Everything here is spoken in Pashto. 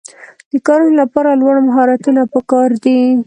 د کارونو لپاره لوړ مهارتونه پکار دي.